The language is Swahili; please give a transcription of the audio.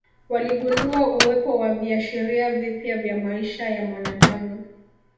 Waligundua uwepo wa viashiria vipya vya maisha ya mwanadamu